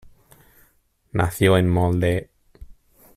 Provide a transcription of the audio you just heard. Nació en Molde.